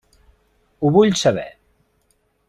Ho vull saber.